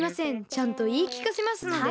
ちゃんといいきかせますので。